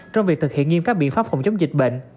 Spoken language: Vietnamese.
trong việc thực hiện nghiêm các biện pháp phòng chống dịch bệnh